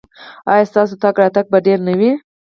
ایا ستاسو تګ راتګ به ډیر نه وي؟